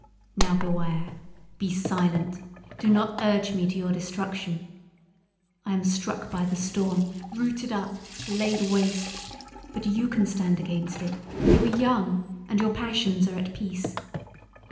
Now, beware! Be silent! Do not urge me to your destruction. I am struck by the storm, rooted up, laid waste: but you can stand against it; you are young and your passions are at peace.